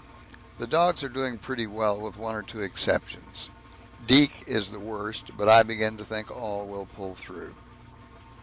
The dogs are doing pretty well with one or two exceptions. Deek is the worst, but I begin to think all will pull through.